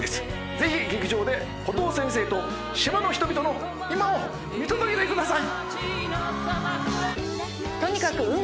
ぜひ劇場でコトー先生と島の人々の今を見届けてください。